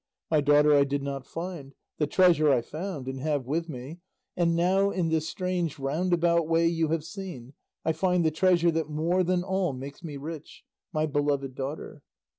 My daughter I did not find, the treasure I found and have with me; and now, in this strange roundabout way you have seen, I find the treasure that more than all makes me rich, my beloved daughter.